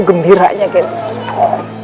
gembiranya kayak gitu